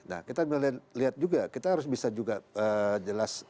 nah kita lihat juga kita harus bisa juga jelas